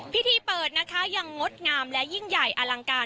พิธีเปิดนะคะยังงดงามและยิ่งใหญ่อลังการ